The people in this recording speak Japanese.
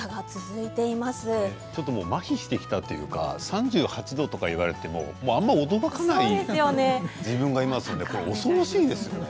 ちょっと、もうまひしてきたというか３８度と言われてもあまり驚かない自分がいますので恐ろしいですね。